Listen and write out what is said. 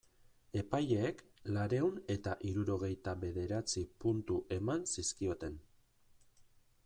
Epaileek laurehun eta hirurogeita bederatzi puntu eman zizkioten.